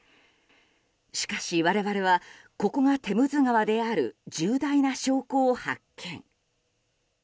しかし、我々はここがテムズ川である重大な証拠を発見。